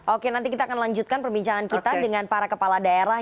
oke nanti kita akan lanjutkan perbincangan kita dengan para kepala daerah